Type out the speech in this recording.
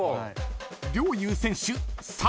［陵侑選手］